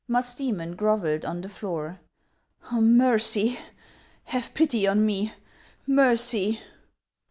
Musdcemon grovelled on the floor. " Mercy .' Have pity on me ! Mercy